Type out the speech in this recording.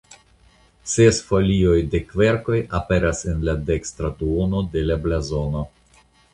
Ses folioj de kverkoj aperas en la dekstra duono de la blazono.